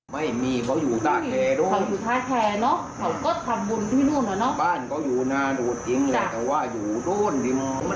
เพราะเหรียญรุ่นแรกที่แบบมองเขาค่อย